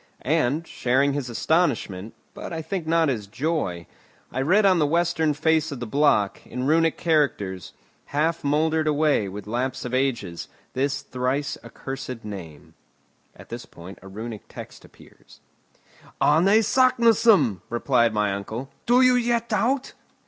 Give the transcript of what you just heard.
And, sharing his astonishment, but I think not his joy, I read on the western face of the block, in Runic characters, half mouldered away with lapse of ages, this thrice accursed name: [At this point a Runic text appears] "Arne Saknussemm!" replied my uncle. "Do you yet doubt?"